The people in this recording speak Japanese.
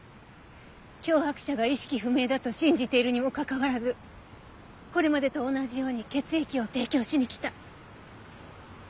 脅迫者が意識不明だと信じているにもかかわらずこれまでと同じように血液を提供しに来た。